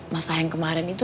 masalah yang kemarin itu